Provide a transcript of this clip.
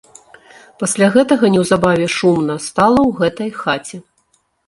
Пасля гэтага неўзабаве шумна стала ў гэтай хаце.